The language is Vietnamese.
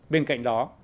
bên cạnh đó